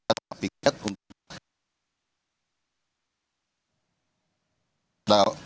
tapi kita tidak akan mengetahukan